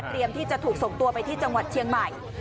ที่จะถูกส่งตัวไปที่จังหวัดเชียงใหม่